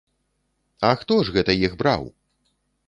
А хто ж гэта іх браў?